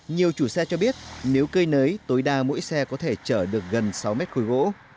nhiều chủ xe cho biết nếu cơi nới tối đa mỗi xe có thể chở được gần sáu mét khối gỗ